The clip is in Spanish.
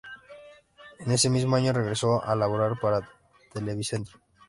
En ese mismo año regresó a laborar para Televicentro.